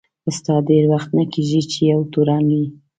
ستا ډېر وخت نه کیږي چي یو تورن یې.